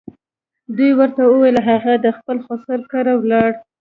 دوی ورته وویل هغه د خپل خسر کره ولاړ.